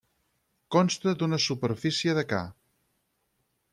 Consta d'una superfície de ca.